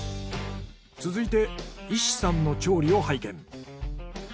続いて伊師さんの調理を拝見。